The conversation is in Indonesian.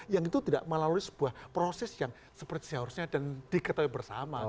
yang itu tidak melalui sebuah proses yang seperti seharusnya dan diketahui bersama